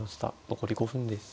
残り５分です。